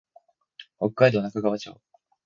北海道中川町